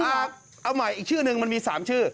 เอาใหม่อีกชื่อนึงมันมี๓ชื่อ